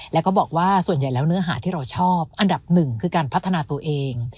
แล้วก็บอกว่าส่วนใหญ่แล้วเนื้อหาที่เราชอบอันดับหนึ่งคือการพัฒนาตัวเอง